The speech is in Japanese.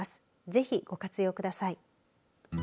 ぜひご活用ください。